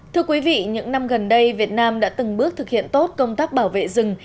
thưa quý vị những năm gần đây việt nam đã từng bước thực hiện tốt công tác bảo vệ rừng